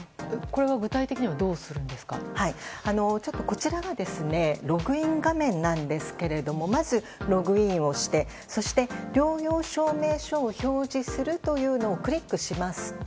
こちらはログイン画面なんですがまず、ログインをしてそして、療養証明書を表示するというのをクリックします。